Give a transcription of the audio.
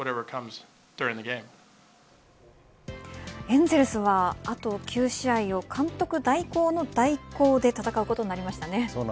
エンゼルスはあと９試合を監督代行の代行で戦うことになりましたね。